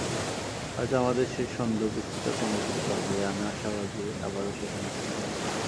হয়তো আমাদের সেই ছন্দ কিছুটা কমেছে, তবে আমি আশাবাদী আবারও সেখানে পৌঁছাব।